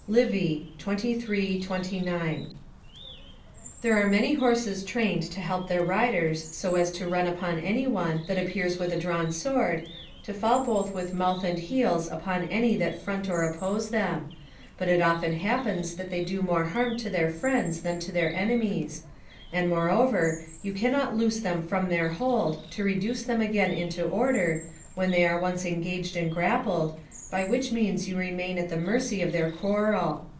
Livy, xxiii. 29.] There are many horses trained to help their riders so as to run upon any one, that appears with a drawn sword, to fall both with mouth and heels upon any that front or oppose them: but it often happens that they do more harm to their friends than to their enemies; and, moreover, you cannot loose them from their hold, to reduce them again into order, when they are once engaged and grappled, by which means you remain at the mercy of their quarrel.